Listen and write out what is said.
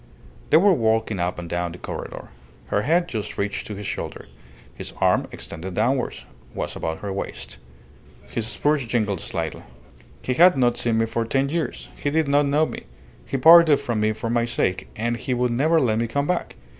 They were walking up and down the corredor. Her head just reached to his shoulder. His arm, extended downwards, was about her waist. His spurs jingled slightly. "He had not seen me for ten years. He did not know me. He parted from me for my sake, and he would never let me come back.